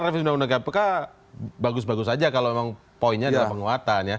revisi undang undang kpk bagus bagus saja kalau memang poinnya adalah penguatan ya